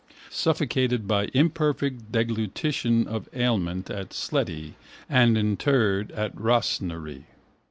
suffocated by imperfect deglutition of aliment at Sletty and interred at Rossnaree.